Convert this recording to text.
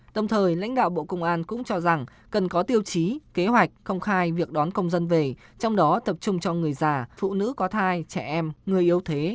đồng thời lãnh đạo bộ công an cũng cho rằng cần có tiêu chí kế hoạch công khai việc đón công dân về trong đó tập trung cho người già phụ nữ có thai trẻ em người yếu thế